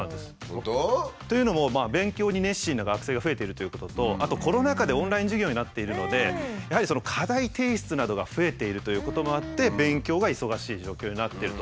本当？というのも勉強に熱心な学生が増えてるということとあとコロナ禍でオンライン授業になっているのでやはりその課題提出などが増えているということもあって勉強が忙しい状況になってると。